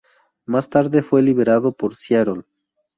Más tarde fue liberado por Seattle.